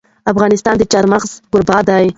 افغانستان د چار مغز کوربه دی.